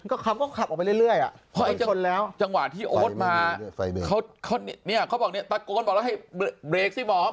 คำก็ขับออกไปเรื่อยจังหวะที่โอ๊ตมาเขาบอกตะโกนบอกให้เบรกสิหมอ